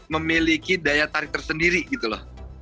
memiliki daya tarik tersendiri gitu loh